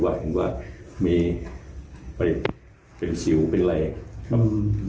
ก็ดูว่ามีเป็นสิวเป็นไรนะครับ